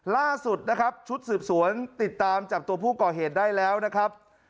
ล่าสุดนะครับชุดสืบสวนติดตามจับตัวผู้ก่อเหตุได้แล้วนะครับ